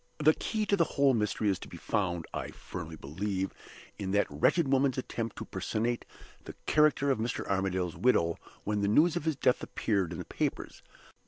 "The key to the whole mystery is to be found, I firmly believe, in that wretched woman's attempt to personate the character of Mr. Armadale's widow when the news of his death appeared in the papers.